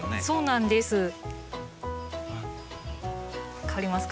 そうなんです。